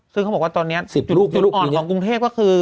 ซึ่งเขาบอกว่าตอนนี้จุดอ่อนของกรุงเทพก็คือ